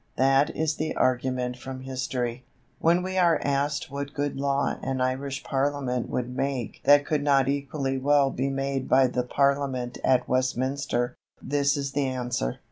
That is the argument from history. When we are asked what good law an Irish Parliament would make that could not equally well be made by the Parliament at Westminster, this is the answer.